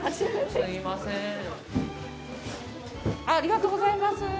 ありがとうございます。